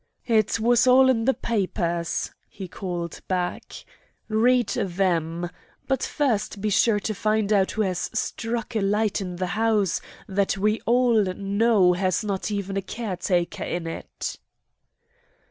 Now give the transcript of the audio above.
"It was all in the papers," he called back. "Read them. But first be sure to find out who has struck a light in the house that we all know has not even a caretaker in it."